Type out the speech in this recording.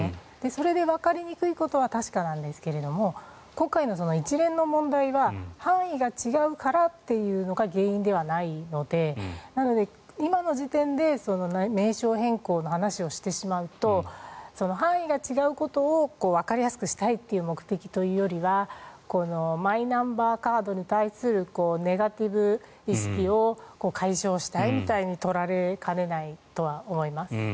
それでわかりにくいことは確かなんですが今回の一連の問題は範囲が違うからというのが原因ではないのでなので、今の時点で名称変更の話をしてしまうと範囲が違うことをわかりやすくしたいという目的というよりはマイナンバーカードに対するネガティブ意識を解消したいみたいに取られかねないとは思います。